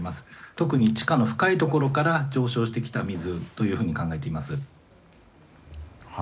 特に地下の深いところから上昇してきた水というふうに考えています。